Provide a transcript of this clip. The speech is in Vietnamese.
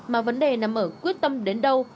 mà vấn đề nằm ở quyết tâm đến đâu